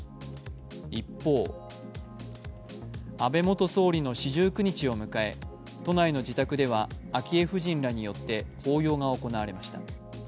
一方安倍元総理の四十九日を迎え、都内の自宅では昭恵夫人らによって法要が行われました。